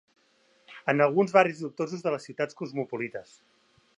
...en alguns barris dubtosos de les ciutats cosmopolites.